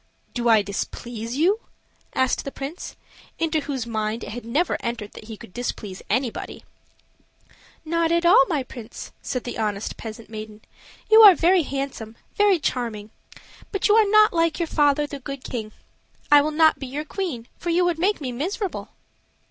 "Do I displease you?" asked the prince, into whose mind it had never entered that he could displease anybody. "Not at all, my prince," said the honest peasant maiden. "You are very handsome, very charming; but you are not like your father the Good King. I will not be your queen, for you would make me miserable."